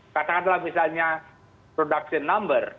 katakanlah misalnya production number